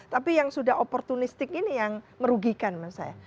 tapi yang sudah opportunistik ini yang merugikan menurut saya